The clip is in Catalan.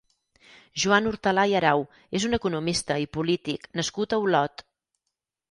Joan Hortalà i Arau és un economista i polític nascut a Olot.